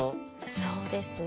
そうですね。